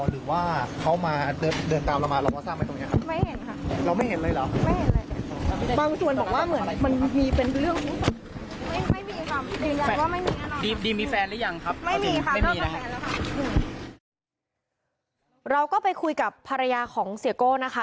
เราก็ไปคุยกับภรรยาของเสียโก้นะคะ